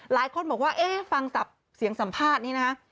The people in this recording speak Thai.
หลายคนบอกว่าฟังจากเสียงสัมภาษณ์นี่นะฮะ